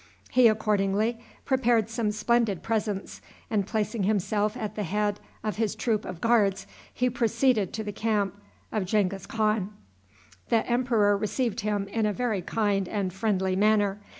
He accordingly prepared some splendid presents, and, placing himself at the head of his troop of guards, he proceeded to the camp of Genghis Khan. The emperor received him in a very kind and friendly manner.